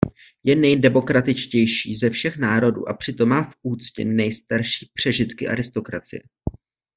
Je nejdemokratičtější ze všech národů a přitom má v úctě nejstarší přežitky aristokracie.